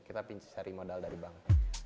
kita cari modal dari bank